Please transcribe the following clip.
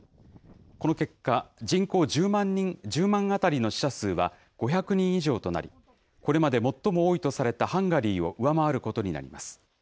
この結果、人口１０万当たりの死者数は５００人以上となり、これまで最も多いとされたハンガリーを上回ることになります。